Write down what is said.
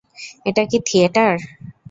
এটা কি থিয়েটার?